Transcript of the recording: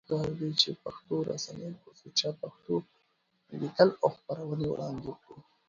پکار ده چې دا پښتو رسنۍ په سوچه پښتو ليکل او خپرونې وړاندی کړي